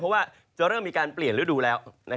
เพราะว่าจะเริ่มมีการเปลี่ยนฤดูแล้ว